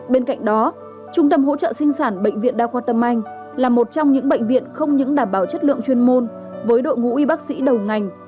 bên cạnh đó trung tâm hỗ trợ sinh sản bệnh viện đa khoa tâm anh là một trong những bệnh viện không những đảm bảo chất lượng chuyên môn với đội ngũ y bác sĩ đầu ngành